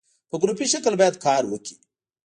په ګروپي شکل باید کار وکړي.